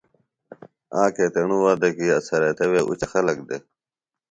آک ایتیݨوۡ وخت دےۡ کیۡ اڅھریتہ وے اُچہ خلَکہ دےۡ